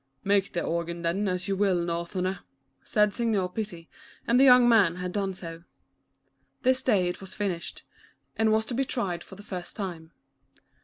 " Make the organ then, as you will, North erner," said Signor Pitti, and the young man had done so. This day it was finished and was to be tried 77 yS Lucia, the Organ Maiden. for the first time.